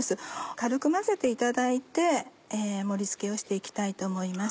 軽く混ぜていただいて盛り付けをして行きたいと思います。